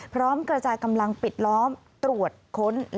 พร้อมกระจายกำลังปิดล้อมตรวจค้น